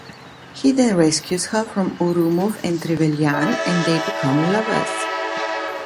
He then rescues her from Ourumov and Trevelyan, and they become lovers.